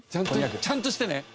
ちゃんとしてね！